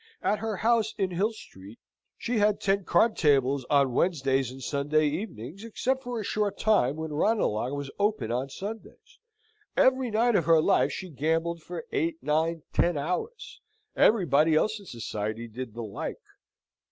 At her house in Hill Street, she had ten card tables on Wednesdays and Sunday evenings, except for a short time when Ranelagh was open on Sundays. Every night of her life she gambled for eight, nine, ten hours. Everybody else in society did the like.